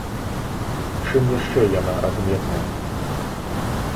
Чым яшчэ яна адметная?